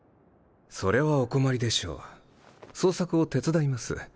それはお困りでしょう捜索を手伝います。